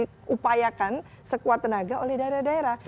ini yang harus diupayakan sekuat tenaga oleh daerah daerah